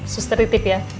sus ter titip ya